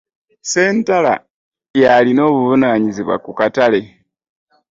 Sssentala yalina obuvunanyizibwa ku katale.